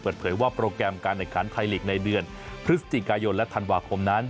เปิดเผยว่าโปรแกรมการแข่งขันไทยลีกในเดือนพฤศจิกายนและธันวาคมนั้น